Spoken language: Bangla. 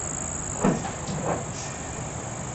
কিন্তু একটা জিনিস জানি আমাদের কলেজের সুন্দরী মেয়েরা কোথায় থাকে?